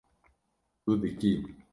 Tu dikî